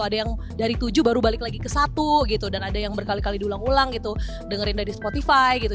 ada yang dari tujuh baru balik lagi ke satu gitu dan ada yang berkali kali diulang ulang gitu dengerin dari spotify gitu